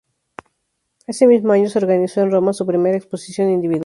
Ese mismo año se organizó en Roma su primera exposición individual.